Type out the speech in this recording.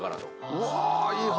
うわいい話。